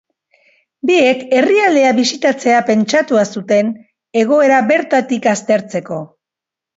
Biek herrialdea bisitatzea pentsatua zuten, egoera bertatik aztertzeko.